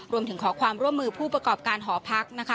รวมถึงขอความร่วมมือผู้ประกอบการหอพักนะคะ